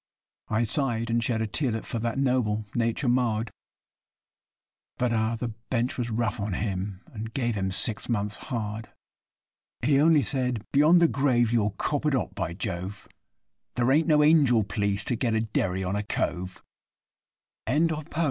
I sigh'd and shed a tearlet for that noble nature marred, But, ah! the Bench was rough on him, and gave him six months' hard. He only said, 'Beyond the grave you'll cop it hot, by Jove! There ain't no angel p'leece to get a derry on a cove.' RISE YE!